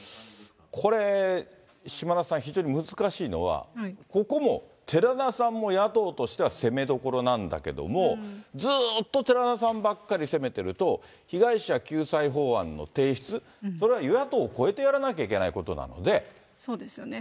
これ、島田さん、非常に難しいのは、ここも、寺田さんも野党としては攻めどころなんだけども、ずっと寺田さんばっかり攻めてると、被害者救済法案の提出、これは与野党を超えてやらないといけないそうですよね。